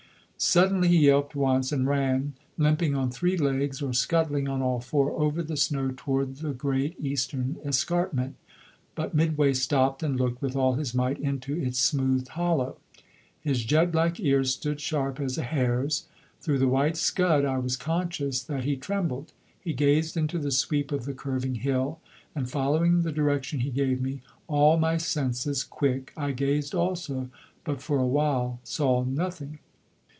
Suddenly he yelped once, and ran, limping on three legs or scuttling on all four, over the snow toward the great eastern escarpment, but midway stopped and looked with all his might into its smoothed hollow. His jet black ears stood sharp as a hare's; through the white scud I was conscious that he trembled. He gazed into the sweep of the curving hill, and following the direction he gave me, all my senses quick, I gazed also, but for a while saw nothing.